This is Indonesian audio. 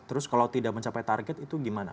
terus kalau tidak mencapai target itu gimana